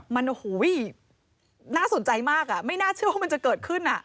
มันโอ้โหน่าสนใจมากไม่น่าเชื่อว่ามันจะเกิดขึ้น